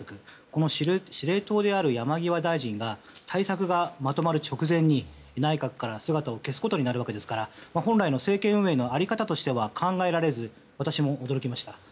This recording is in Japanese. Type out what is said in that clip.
この司令塔である山際大臣が対策がまとまる直前に、内閣から姿を消すことになるわけですから本来の政権運営の在り方としては考えられず、私も驚きました。